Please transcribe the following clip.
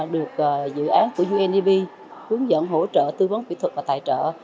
được dự án của undp hướng dẫn hỗ trợ tư vấn kỹ thuật và tài trợ